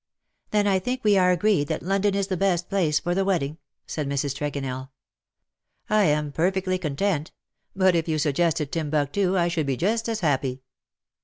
"'" Then I think we are agreed that London is the best place for the wedding/'' said Mrs. Tregonell. " I am perfectly content. But if you suggested Timbuctoo I should be just as happy.''"